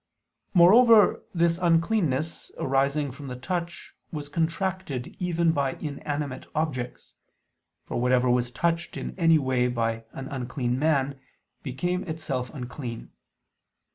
Moreover, this uncleanness arising from the touch was contracted even by inanimate objects; for whatever was touched in any way by an unclean man, became itself unclean.